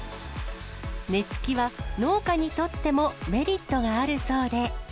根付きは農家にとってもメリットがあるそうで。